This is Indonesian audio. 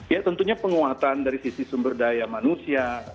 ya tentunya penguatan dari sisi sumber daya manusia